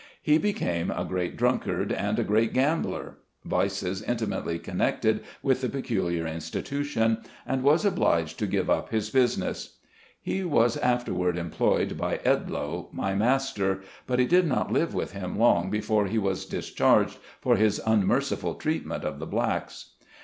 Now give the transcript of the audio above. He became a great drunkard and a great gambler (vices intimately connected with the "peculiar institu tion "), and was obliged to give up his business. 166 SKETCHES OF SLAVE LIFE. He was afterward employed by Edloe, my master ; but he did not live with him long before he was dis charged, for his unmerciful treatment of the blacks.